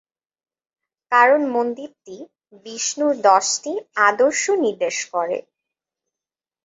কারণ মন্দিরটি বিষ্ণুর দশটি আদর্শ নির্দেশ করে।